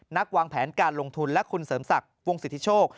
วางแผนการลงทุนและคุณเสริมศักดิ์วงสิทธิโชค